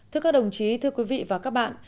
thưa các đồng chí thưa quý vị và các bạn